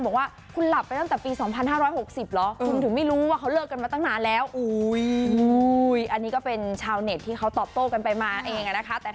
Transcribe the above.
บอกว่าคุณหลับไปตั้งแต่ปี๒๕๖๐หรอ